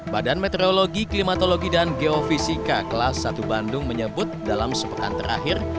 badan meteorologi klimatologi dan geofisika kelas satu bandung menyebut dalam sepekan terakhir